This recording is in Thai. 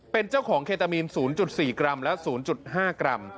เป็นเจ้าของเคตามีน๐๔กรัมและ๐๕กรัม